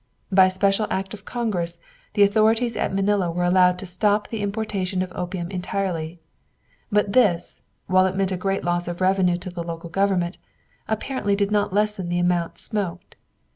By special act of Congress the authorities at Manila were allowed to stop the importation of opium entirely. But this, while it meant a great loss of revenue to the local government, apparently did not lessen the amount smoked.